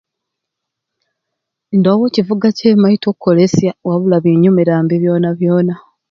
Ndoowo kivuga kyemmaite okukolesya wabula binyumurambe byona byona.